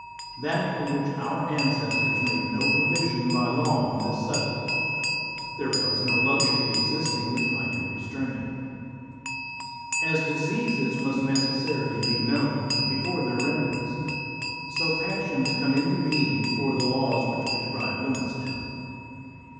That for which our ancestors made no provision by law on this subject: there was no luxury existing which might be restrained. As diseases must necessarily be known before their remedies, so passions come into being be fore the laws which prescribe limits to tiiem.